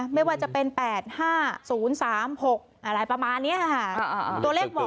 ไม่ว่าจะเป็นแปดห้าศูนย์สามหกอะไรประมาณเนี้ยฮะตัวเลข